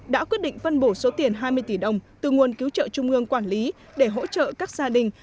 đã quyết định phân bổ số tiền hai mươi tỷ đồng từ nguồn cứu trợ trung ương quản lý để hỗ trợ các gia đình